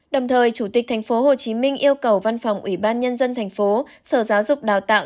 đồng thời chủ tịch tp hcm yêu cầu văn phòng ủy ban nhân dân thành phố sở giáo dục đào tạo